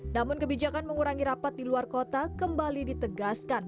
namun kebijakan mengurangi rapat di luar kota kembali ditegaskan